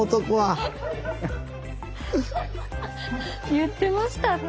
言ってましたっけ